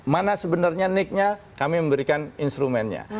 mana sebenarnya nick nya kami memberikan instrumennya